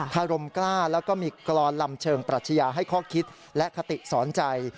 อารมณ์กล้าแล้วก็มีกรอนลำเชิงปรัชญาให้ข้อคิดและคติสอนใจ